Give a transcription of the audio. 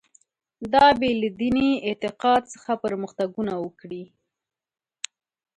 دا بې له دیني اعتقاد څخه پرمختګونه وکړي.